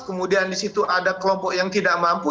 kemudian di situ ada kelompok yang tidak mampu